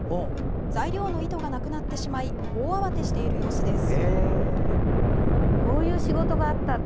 材料の糸がなくなってしまい大慌てしている様子です。